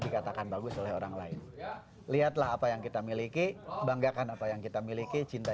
dikatakan bagus oleh orang lain lihatlah apa yang kita miliki banggakan apa yang kita miliki cinta